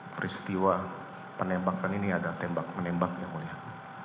peristiwa penembakan ini ada tembak menembak yang mulia